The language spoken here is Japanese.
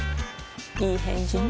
いい返事ね